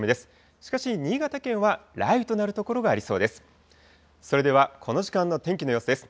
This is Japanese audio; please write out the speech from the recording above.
しかし、新潟県は雷雨となる所がありそうです。